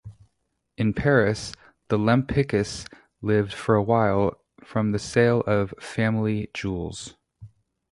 In Paris, the Lempickis lived for a while from the sale of family jewels.